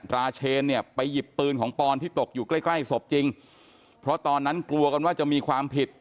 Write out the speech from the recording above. ราเชนเนี่ยไปหยิบปืนของปอนที่ตกอยู่ใกล้ใกล้ศพจริงเพราะตอนนั้นกลัวกันว่าจะมีความผิด